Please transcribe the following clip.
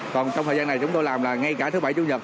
còn trong thời gian này chúng tôi làm là ngay cả thứ bảy chủ nhật